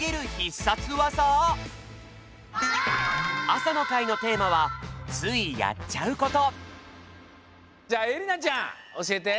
朝の会のテーマは「ついやっちゃうこと」じゃあえりなちゃんおしえて。